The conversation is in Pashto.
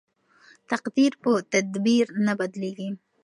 تقدیر په تدبیر نه بدلیږي.